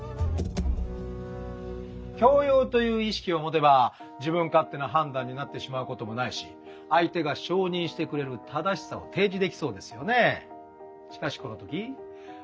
教養という意識を持てば自分勝手な判断になってしまうこともないし相手が承認してくれる「正しさ」を提示できそうですよね！